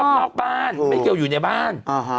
นอกบ้านไม่เกี่ยวอยู่ในบ้าน